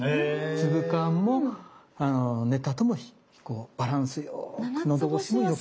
粒感もネタともバランスよくのどごしもよく。